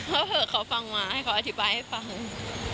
เผลอเขาฟังมาให้เขาอธิบายให้ฟัง